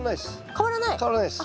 変わらないです。